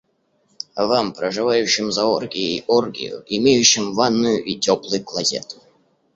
Вам, проживающим за оргией оргию, имеющим ванную и теплый клозет!